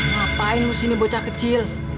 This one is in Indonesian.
ngapain lu sih nih bocah kecil